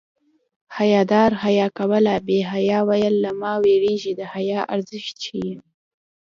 حیادار حیا کوله بې حیا ویل له ما وېرېږي د حیا ارزښت ښيي